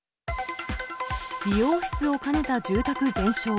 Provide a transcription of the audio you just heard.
美容室を兼ねた住宅全焼。